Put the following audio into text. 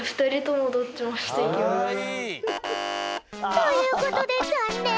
ということでざんねん！